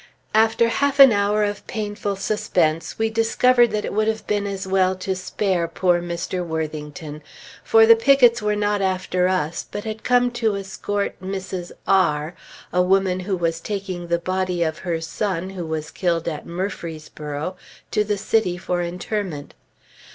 After half an hour of painful suspense, we discovered that it would have been as well to spare poor Mr. Worthington; for the pickets were not after us, but had come to escort Mrs. R , a woman who was taking the body of her son, who was killed at Murfreesboro, to the city for interment.